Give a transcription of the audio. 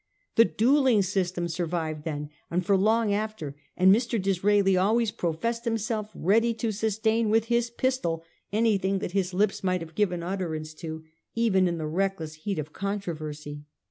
The duelling system survived then and for long after, and Mr. Disraeli always professed himself ready to sustain with his pistol anything that his lips might have given utterance to, even in the reckless heat of controversy.